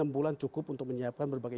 enam bulan cukup untuk menyiapkan berbagai